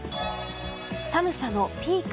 寒さのピーク。